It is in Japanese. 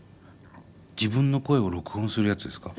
自分の声を録音するやつですか？